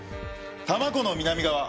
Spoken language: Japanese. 多摩湖の南側